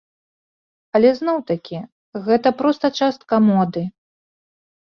Але зноў такі, гэта проста частка моды.